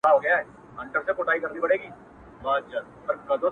تك سپين زړگي ته دي پوښ تور جوړ كړی!